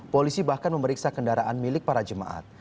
polisi bahkan memeriksa kendaraan milik para jemaat